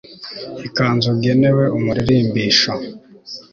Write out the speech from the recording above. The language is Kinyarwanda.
ikanzu genewe umuririmbisha